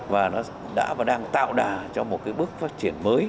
và nó đã và đang tạo đà cho một cái bước phát triển mới